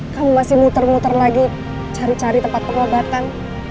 kamu masih muter muter lagi cari cari tempat pengobatan